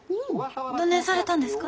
どねんされたんですか？